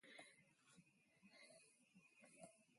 Justice Henry Baldwin also dissented.